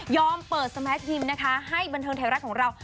เปิดสแมทยิมนะคะให้บันเทิงไทยรัฐของเรา